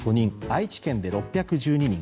愛知県で６１２人